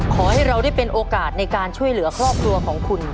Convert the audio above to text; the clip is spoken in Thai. ขอให้เราได้เป็นโอกาสในการช่วยเหลือครอบครัวของคุณ